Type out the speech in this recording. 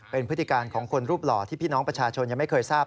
เป็นพฤติการของคนรูปหล่อที่พี่น้องประชาชนยังไม่เคยทราบ